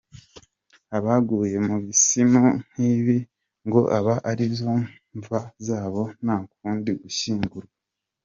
Abaguye mu bisimu nk'ibi ngo aba arizo mva zabo ntakundi gushyingura.